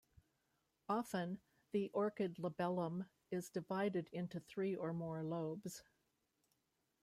Often, the orchid labellum is divided into three or more lobes.